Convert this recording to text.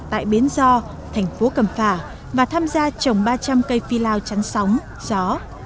tại bến do thành phố cầm phả và tham gia trồng ba trăm linh cây phi lao chắn sóng gió